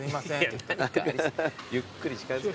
ゆっくり近づく。